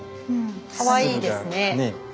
うんかわいいですね。